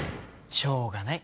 しょうがない